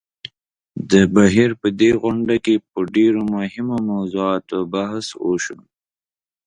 د بهېر په دې غونډه کې په ډېرو مهمو موضوعاتو بحث وشو.